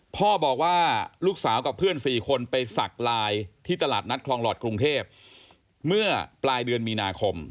พ่อบอกว่าลูกสาวกับเพื่อน๔คนไปสักลายที่ตลาดนัดคลองหลอดกรุงเทพเมื่อปลายเดือนมีนาคม